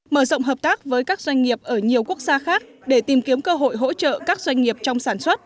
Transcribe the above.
mở rộng hợp tác với các doanh nghiệp ở nhiều quốc gia khác để tìm kiếm cơ hội hỗ trợ các doanh nghiệp trong sản xuất